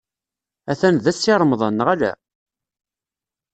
Atan da Si Remḍan, neɣ ala?